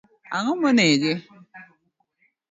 Ango monege.